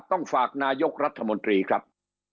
ต้องฝากนายกรัฐมนตรีครับ